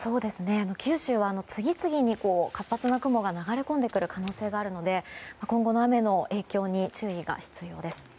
九州は次々に活発な雲が流れ込んでくる可能性があるので、今後の雨の影響に注意が必要です。